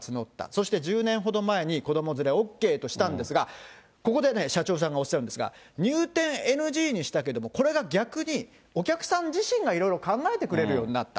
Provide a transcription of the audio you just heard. そして１０年ほど前に、子ども連れＯＫとしたんですが、ここでね、社長さんがおっしゃるんですが、入店ＮＧにしたけれども、これが逆にお客さん自身がいろいろ考えてくれるようになった。